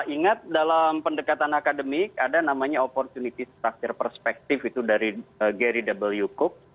ingat dalam pendekatan akademik ada namanya opportunity structure perspective itu dari gary w cook